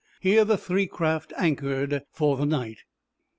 Here the three craft anchored for the night.